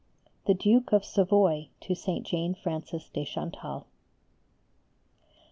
_The Duke of Savoy to St. Jane Frances de Chantal.